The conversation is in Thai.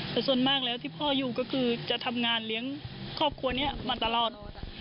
แต่ส่วนมากแล้วที่พ่ออยู่ก็คือจะทำงานเลี้ยงครอบครัวนี้มาตลอด